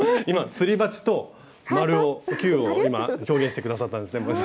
今すり鉢と球を今表現して下さったんですね